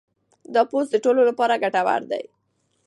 دا پوسټ د ټولو لپاره ګټور دی.